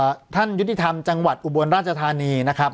เอ่อท่านยุติธรรมจังหวัดอุบวนราชธานีนะครับครับ